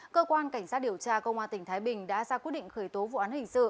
cơ quan cảnh sát điều tra công an tỉnh thái bình đã ra quyết định khởi tố vụ án hình sự